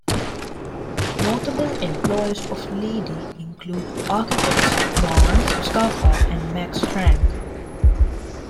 Notable employees of Leedy include architects Lawrence Scarpa and Max Strang.